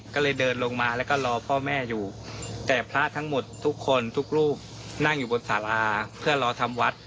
ก็เลยเดินลงมาแล้วก็รอพ่อแม่อยู่แต่พระทั้งหมดทุกคนทุกรูปนั่งอยู่บนสาราเพื่อรอทำวัด